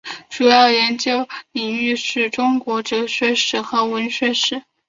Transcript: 主要研究领域是中国哲学史和文学史。